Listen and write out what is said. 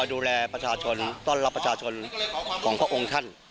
ดูแลประชาชนต้อนรับประชาชนของพระองค์ท่าน